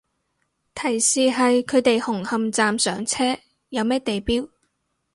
提示係佢哋紅磡站上車，有咩地標